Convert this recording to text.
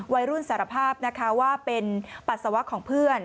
วัยรุ่นสารภาพว่าเป็นปัสสาวะของเพื่อน